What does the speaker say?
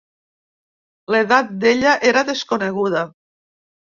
L'edat d'ella era desconeguda.